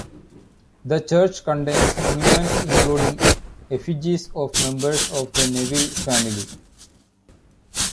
The church contains monuments including effigies of members of the Neville family.